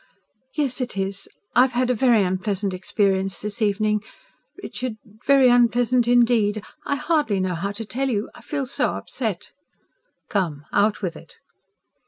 "Yes, it is. I've had a very unpleasant experience this evening, Richard very unpleasant indeed. I hardly know how to tell you. I feel so upset." "Come out with it!"